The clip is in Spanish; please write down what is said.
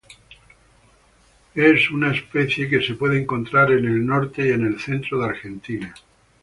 Es una especie que se puede encontrar en el norte y centro de Argentina.